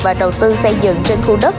và đầu tư xây dựng trên khu đất